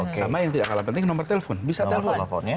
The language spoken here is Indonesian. sama yang tidak kalah penting nomor telepon bisa telepon